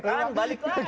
nah balik lagi